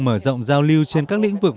mở rộng giao lưu trên các lĩnh vực